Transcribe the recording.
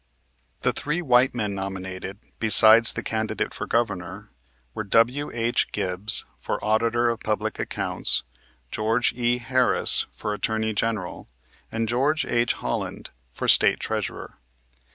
The three white men nominated, besides the candidate for Governor, were, W.H. Gibbs, for Auditor of Public Accounts; Geo. E. Harris, for Attorney General, and Geo. H. Holland, for State Treasurer.